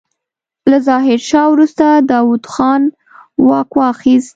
له ظاهرشاه وروسته داوود خان واک واخيست.